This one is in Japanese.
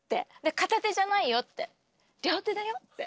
片手じゃないよって両手だよって。